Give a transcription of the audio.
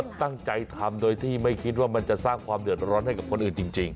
ก็ตั้งใจทำโดยที่ไม่คิดว่ามันจะสร้างความเดือดร้อนให้กับคนอื่นจริง